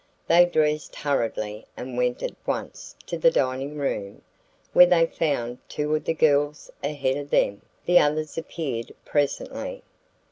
They dressed hurriedly and went at once to the dining room, where they found two of the girls ahead of them. The others appeared presently.